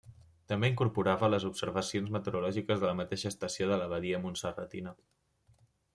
També incorporava les observacions meteorològiques de la mateixa estació de l’abadia montserratina.